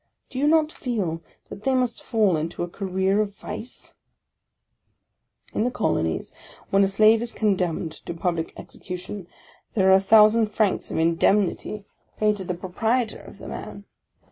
Do you not feel that they must fall into a career of vice ? In the Colonies, when a slave is condemned to public ex ecution, there are a thousand francs of indemnity paid to the 36 PREFACE OF proprietor of the man